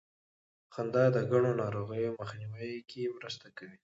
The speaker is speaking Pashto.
خندا د ګڼو ناروغیو مخنیوي کې مرسته کوي.